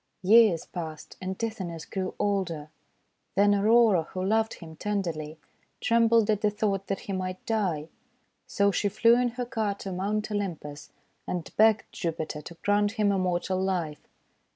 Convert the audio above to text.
Years passed, and Tithonus grew older. Then Aurora, who loved him tenderly, trembled at the thought that he might die. So she flew in her car to Mount Olympus and begged Jupiter to grant him immortal life.